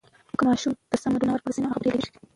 که ماشوم ته سمه روزنه ورکړل سي، نو هغه بریالی کیږي.